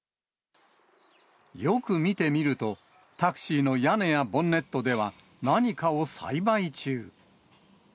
よく見てみると、タクシーの屋根やボンネットでは、何かを栽培中。